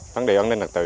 vấn đề an ninh thật tự